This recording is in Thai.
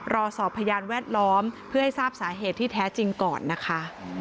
รอสอบพยานแวดล้อมเพื่อให้ทราบสาเหตุที่แท้จริงก่อนนะคะ